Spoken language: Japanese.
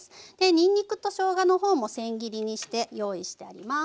にんにくとしょうがのほうもせん切りにして用意してあります。